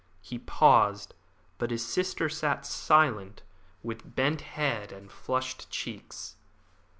He paused, but his sister sat silent, with bent head and flushed cheeks.